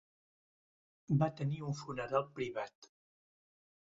Va tenir un funeral privat.